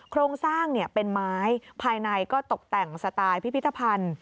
โครงสร้างเป็นไม้ภายในก็ตกแต่งสไตล์พิพิธภัณฑ์